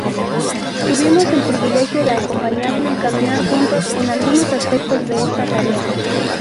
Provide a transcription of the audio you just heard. Tuvimos el privilegio de acompañarlo y caminar juntos en algunos aspectos de esta tarea.